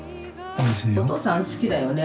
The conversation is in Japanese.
お父さん好きだよね。